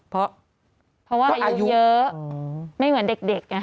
เพราะว่าอายุเยอะไม่เหมือนเด็กไง